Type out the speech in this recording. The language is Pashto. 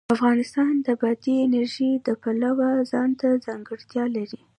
افغانستان د بادي انرژي د پلوه ځانته ځانګړتیا لري.